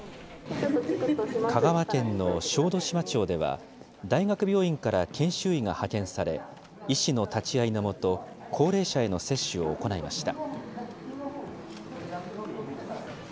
香川県の小豆島町では、大学病院から研修医が派遣され、医師の立ち会いの下、高齢者への接種を行いました。